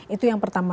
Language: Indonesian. itu yang pertama